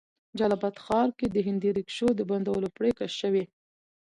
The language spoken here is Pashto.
جلال آباد ښار کې د هندي ريکشو د بندولو پريکړه شوې